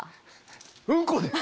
うんこです！